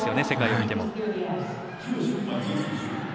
世界で見ても。